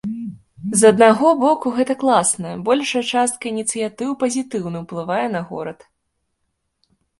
З аднаго боку, гэта класна, большая частка ініцыятыў пазітыўна ўплывае на горад.